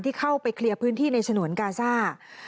เข้าไปเคลียร์พื้นที่ในฉนวนกาซ่า